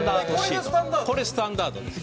「これスタンダードです。